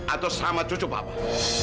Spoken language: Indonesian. atau sama cucu bapak